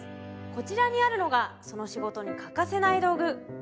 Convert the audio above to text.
こちらにあるのがその仕事に欠かせない道具